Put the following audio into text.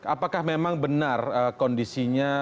apakah memang benar kondisinya